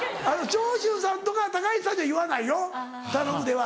長州さんとか高市さんには言わないよ「頼むで」は。